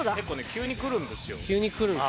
急にくるんですね。